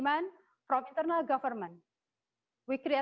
karena pendapatan mereka sekarang